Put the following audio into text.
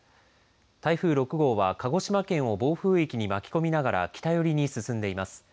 台風６号は鹿児島県を暴風域に巻き込みながら北寄りに進んでいます。